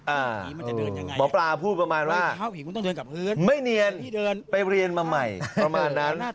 อ่าหมอปลาพูดประมาณว่าไม่เนียนไปเรียนมาใหม่ประมาณนั้น